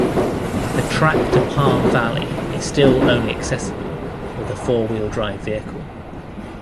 The track to Palm Valley is still only accessible with a four-wheel drive vehicle.